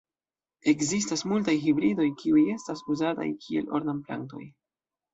Ekzistas multaj hibridoj, kiuj estas uzataj kiel ornamplantoj.